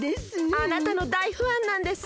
あなたのだいファンなんです。